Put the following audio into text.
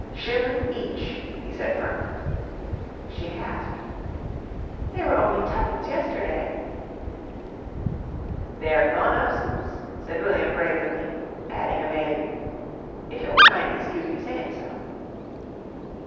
"Shillin' each," he said firmly. She gasped. "They were only twopence yesterday." "They're gone up since," said William brazenly, adding a vague, "if you'll kin'ly 'scuse me sayin' so."